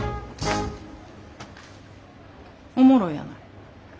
おもろいやない。